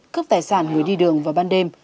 cướp tài sản người đi đường vào ban đêm